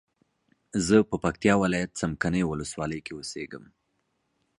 زه په پکتیا ولایت څمکنیو ولسوالۍ کی اوسیږم